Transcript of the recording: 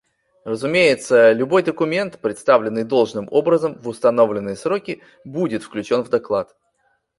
Разумеется, любой документ, представленный должным образом в установленные сроки, будет включен в доклад.